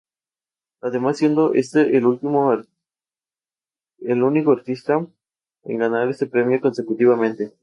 Además siendo este último el único artista en ganar este premio consecutivamente.